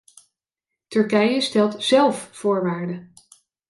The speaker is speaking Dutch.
Turkije stelt zélf voorwaarden.